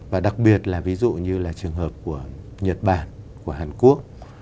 và đặc biệt là ví dụ như là trường hợp của nhật bản của hàn quốc